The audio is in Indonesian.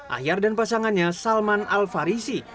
ahyar dan pasangannya salman al farisi